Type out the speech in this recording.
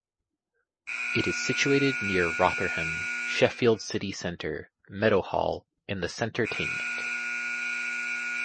It is situated near Rotherham, Sheffield City Centre, Meadowhall and the Centertainment.